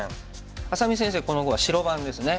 愛咲美先生この碁は白番ですね。